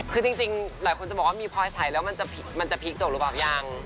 คือจริงหลายคนจะบอกว่ามีพลอยใส่แล้วมันจะพีคจบหรือเปล่ายัง